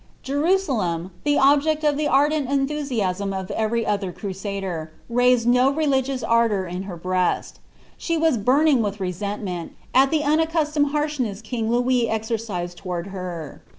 Jerusalem, the objeei of (he ardent enthusiasm of every other crueoder, raised on rvligioui ardour in her breoM; the was burning witli resentment, nl the unaccu» tometl harahneaa king Louis exercised towards her.